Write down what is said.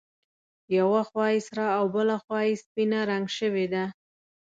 یوه خوا یې سره او بله خوا یې سپینه رنګ شوې ده.